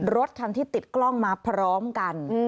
รถคันที่ติดกล้องมาพร้อมกัน